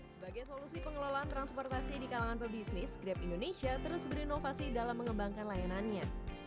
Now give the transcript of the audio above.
sebagai solusi pengelolaan transportasi di kalangan pebisnis grab indonesia terus berinovasi dalam mengembangkan layanannya